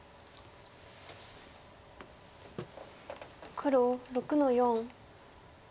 黒６の四。